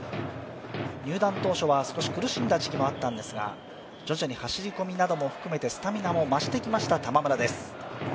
入団当初は少し苦しんだ時期もあったんですが徐々に走り込みなども含めてスタミナも増してきました。